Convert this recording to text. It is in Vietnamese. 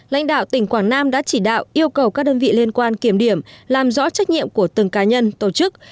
lãnh đạo tỉnh quảng nam đã chỉ đạo yêu cầu các đơn vị liên quan kiểm điểm làm rõ trách nhiệm của từng cá nhân tổ chức